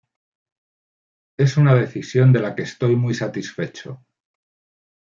Es una decisión de la que estoy muy satisfecho.